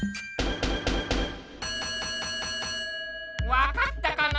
わかったかな？